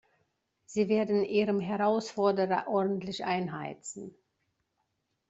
Sie werden ihrem Herausforderer ordentlich einheizen.